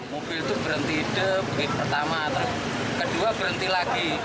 mobil itu berhenti di pertama kedua berhenti lagi